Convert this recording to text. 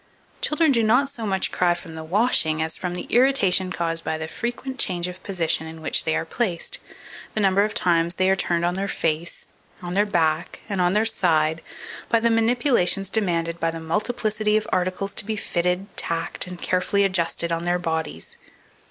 2495. Children do not so much cry from the washing as from the irritation caused by the frequent change of position in which they are placed, the number of times they are turned on their face, on their back, and on their side, by the manipulations demanded by the multiplicity of articles to be fitted, tacked, and carefully adjusted on their bodies.